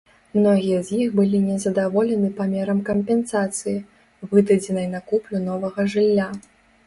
Многія з іх былі незадаволены памерам кампенсацыі, выдадзенай на куплю новага жылля.